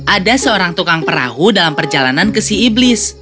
ada seorang tukang perahu dalam perjalanan ke si iblis